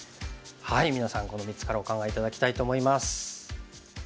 皆さんこの３つからお考え頂きたいと思います。